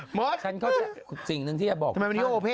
หมดทำไมมันยังออเฟนน่ะสิ่งนึงที่อยากบอกคุณค่ะ